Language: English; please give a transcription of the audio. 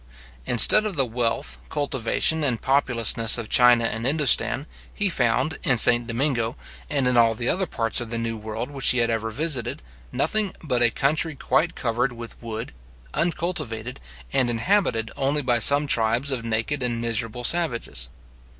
Instead of the wealth, cultivation, and populousness of China and Indostan, he found, in St. Domingo, and in all the other parts of the new world which he ever visited, nothing but a country quite covered with wood, uncultivated, and inhabited only by some tribes of naked and miserable savages.